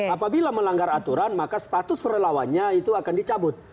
apabila melanggar aturan maka status relawannya itu akan dicabut